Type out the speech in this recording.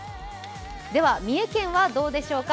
では、三重県はどうでしょうか。